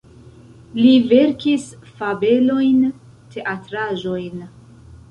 Li verkis fabelojn, teatraĵojn.